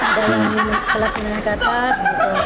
ada yang kelas menang ke atas